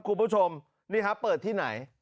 คุณผู้ชมนี่ครับเปิดที่ไหน